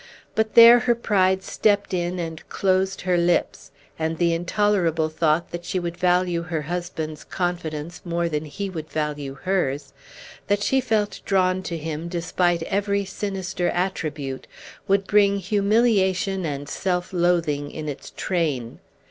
But there her pride stepped in and closed her lips; and the intolerable thought that she would value her husband's confidence more than he would value hers, that she felt drawn to him despite every sinister attribute, would bring humiliation and self loathing in its train.